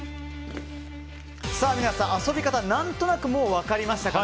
皆さん、遊び方何となく分かりましたかね。